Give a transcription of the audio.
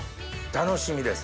楽しみです。